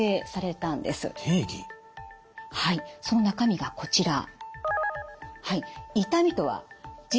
はいその中身がこちら。